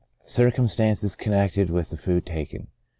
Circumstances connected with the Food taken.